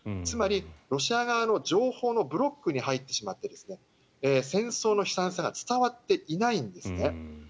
つまり、ロシア側の情報のブロックに入ってしまって戦争の悲惨さが伝わっていないんですね。